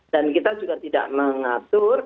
dan kita juga tidak mengatur